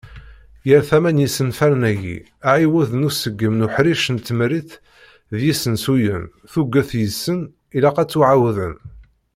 Ɣar tama n yisenfaren-agi, aɛiwed d uṣeggem n uḥric n tmerrit d yisensuyen. Tuget deg-sen ilaq ad ttuɛawden.